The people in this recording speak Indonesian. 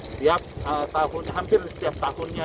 setiap tahun hampir setiap tahunnya